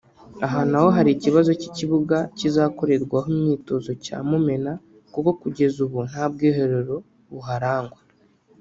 Aha naho hari ikibazo cy’ikibuga kizakorerwaho imyitozo cya Mumena kuko kugeza ubu nta bwiherero buharangwa